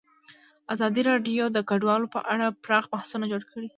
ازادي راډیو د کډوال په اړه پراخ بحثونه جوړ کړي.